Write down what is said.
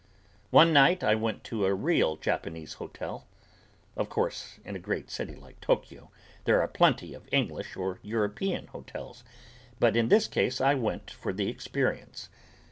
One night I went to a real Japanese hotel. Of course, in a great city like Tokyo, there are plenty of English or European hotels, but in this case I went for the experience.